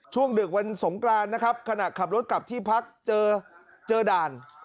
ดึกวันสงกรานนะครับขณะขับรถกลับที่พักเจอเจอด่าน